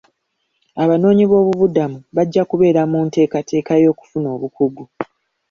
Abanoonyi boobubudamu bajja kubeera mu nteekateeka y'okufuna obukugu.